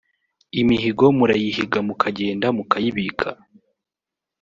imihigo murayihiga mukagenda mukayibika